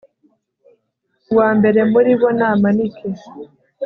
uwambere muri bo namanike